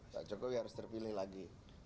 pak jokowi harus terpilih lagi